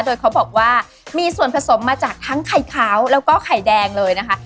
โดยเขาบอกว่ามีส่วนผสมมาจากทั้งไข่ขาวแล้วก็ไข่แดงเลยนะคะ